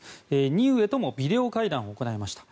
ニウエともビデオ会談を行いました。